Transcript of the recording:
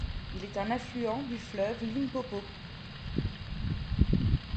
Il est un affluent du fleuve Limpopo.